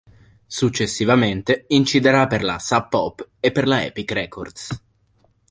Successivamente inciderà per la Sub Pop e per la Epic Records.